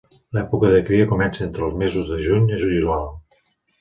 L'època de cria comença entre els mesos de juny i juliol.